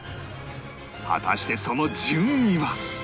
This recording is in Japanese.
果たしてその順位は